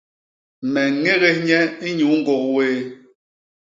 Me ñégés nye inyuu ñgôk wéé.